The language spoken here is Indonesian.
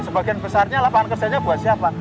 sebagian besarnya lapangan kerjanya buat siapa